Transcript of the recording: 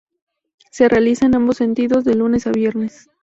Se realiza en ambos sentidos de lunes a viernes.